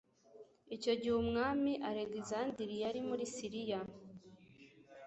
icyo gihe umwami alegisanderi yari muri silisiya